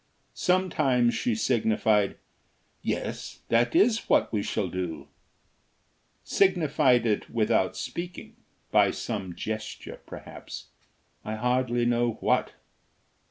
Sometimes she signified: "Yes, that is what we shall do;" signified it without speaking by some gesture perhaps, I hardly know what.